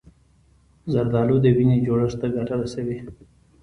زردالو د وینې جوړښت ته ګټه رسوي.